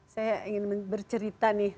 saya ingin bercerita nih